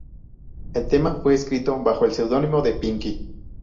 El tema fue escrito bajo el seudónimo de Pinky.